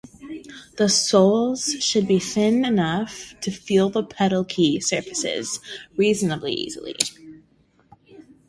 The soles should be thin enough to feel the pedal key surfaces reasonably easily.